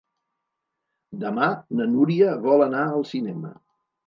Demà na Núria vol anar al cinema.